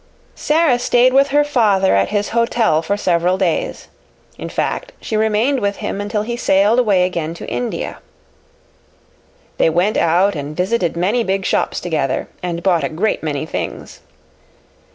Sara stayed with her father at his hotel for several days; in fact, she remained with him until he sailed away again to India. They went out and visited many big shops together, and bought a great many things.